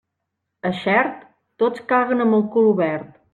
A Xert, tots caguen amb el cul obert.